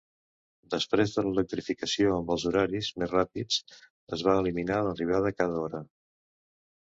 Després de l'electrificació, amb els horaris més ràpids es va eliminar l'arribada cada hora.